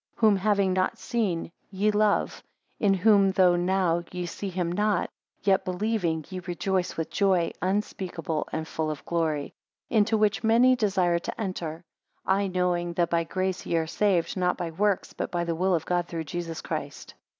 Whom having not seen, ye love; in whom though now ye see him not, yet believing, ye rejoice with joy unspeakable and full of glory. 5 Into which many desire to enter; I knowing that by grace ye are saved; not by works, but by the will of God through Jesus Christ.